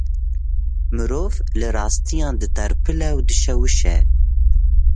Mirov li rastiyan diterpile û dişewişe.